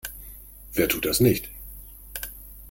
Wer tut das nicht?